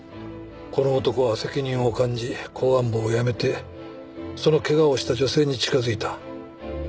この男は責任を感じ公安部を辞めてその怪我をした女性に近づいた。